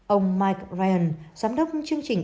ông mike ryan giám đốc chương trình